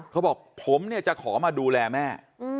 เขาบอกผมเนี่ยจะขอมาดูแลแม่